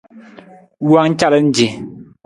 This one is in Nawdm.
Wowang calan ce.